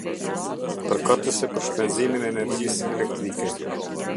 Përkatëse për shpenzimin e energjisë elektrike.